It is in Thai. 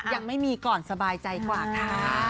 ยังไม่มีก่อนสบายใจกว่าค่ะ